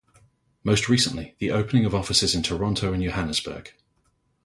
Most recently the opening of offices in Toronto and Johannesburg.